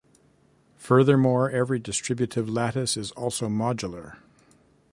Furthermore, every distributive lattice is also modular.